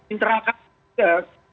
internal kementerian agama